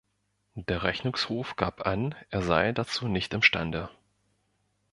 Der Rechnungshof gab an, er sei dazu nicht imstande.